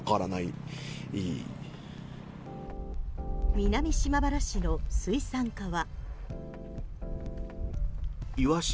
南島原市の水産課は。